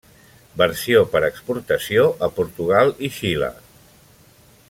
Versió per exportació a Portugal i Xile.